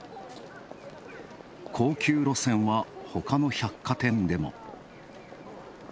高級路線は、ほかの百貨店でも。